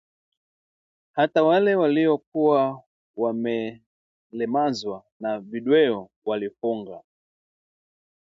Hata wale waliokuwa wamelemazwa na ndweo walifunga